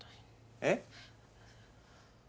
えっ？